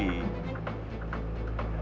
kamu itu sedang emosi